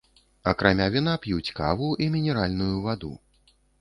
Акрамя віна п'юць каву і мінеральную ваду.